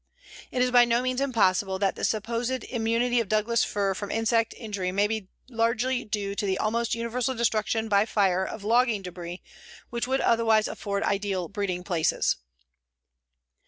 It is by no means impossible that the supposed immunity of Douglas fir from insect injury may be largely due to the almost universal destruction by fire of logging debris which would otherwise afford ideal breeding places.